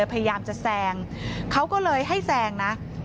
พยายามจะแซงเขาก็เลยให้แซงนะ